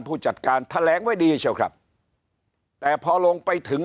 ผู้จัดการแถลงไว้ดีเชียวครับแต่พอลงไปถึง